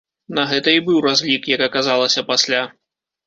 На гэта і быў разлік, як аказалася пасля.